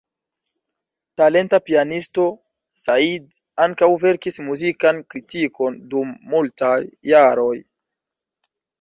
Talenta pianisto, Said ankaŭ verkis muzikan kritikon dum multaj jaroj.